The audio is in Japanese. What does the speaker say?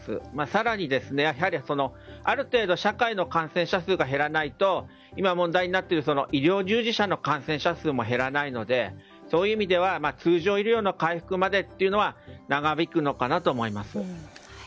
更に、ある程度社会の感染者数が減らないと今、問題になっている医療従事者の感染者数も減らないので、そういう意味では通常医療の回復までは長引くのかなと思います。